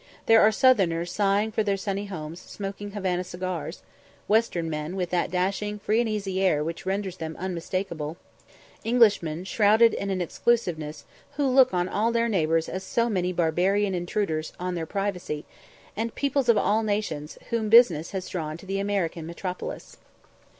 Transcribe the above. There are southerners sighing for their sunny homes, smoking Havana cigars; western men, with that dashing free and easy air which renders them unmistakeable; Englishmen, shrouded in exclusiveness, who look on all their neighbours as so many barbarian intruders on their privacy; and people of all nations, whom business has drawn to the American metropolis.